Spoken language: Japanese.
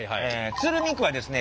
鶴見区はですね